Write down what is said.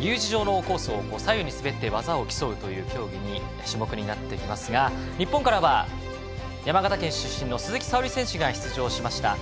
Ｕ字状のコースを左右に滑って技を競う種目になっていますが日本からは山形県出身の鈴木沙織選手が出場しました。